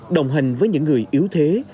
đồng hành với những người yếu thế